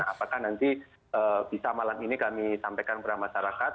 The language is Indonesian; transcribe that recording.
apakah nanti bisa malam ini kami sampaikan kepada masyarakat